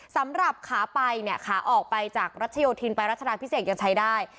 สำหรับขาไปเนี่ยขาออกไปจากรัชโยธินไปรัชดาพิเศษยังใช้ได้